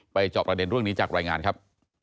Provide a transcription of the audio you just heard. จอบประเด็นเรื่องนี้จากรายงานครับ